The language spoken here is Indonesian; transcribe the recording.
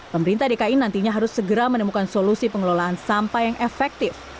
pemerintah dki nantinya harus segera menemukan solusi pengelolaan sampah yang efektif